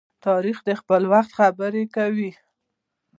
تاریخ د خپل وخت خبره کوي.